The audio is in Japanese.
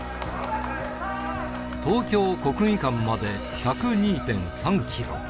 東京国技館まで１０２．３キロ。